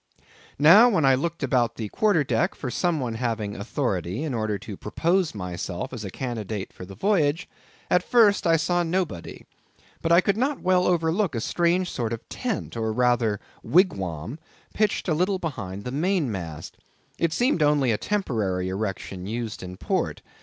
Now when I looked about the quarter deck, for some one having authority, in order to propose myself as a candidate for the voyage, at first I saw nobody; but I could not well overlook a strange sort of tent, or rather wigwam, pitched a little behind the main mast. It seemed only a temporary erection used in port.